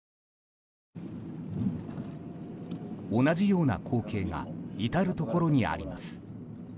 同じような光景が至るところにあります。